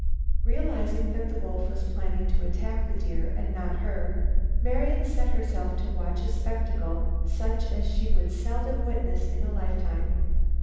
Realizing that the wolf was planning to attack the deer and not her, Marian set herself to watch a spectacle such as she would seldom witness in a lifetime.